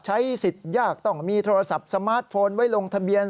ใช้สิทธิ์ยากต้องมีโทรศัพท์สมาร์ทโฟนไว้ลงทะเบียน